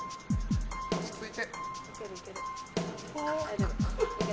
落ち着いて。